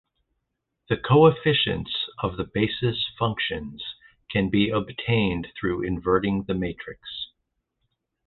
The coefficients of the basis functions can be obtained through inverting the matrix.